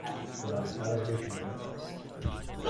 طولانی تر از دو کیلومتر است.